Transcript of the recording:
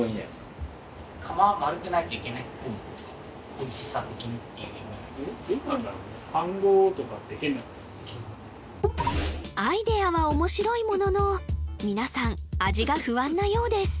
・おいしさ的にっていうアイデアは面白いものの皆さん味が不安なようです